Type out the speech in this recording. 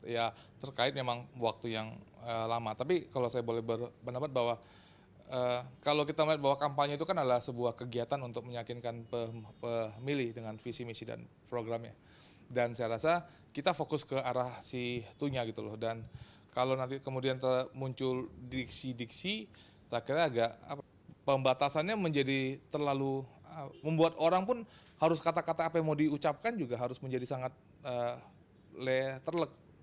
ya pembatasannya menjadi terlalu membuat orang pun harus kata kata apa yang mau diucapkan juga harus menjadi sangat terlek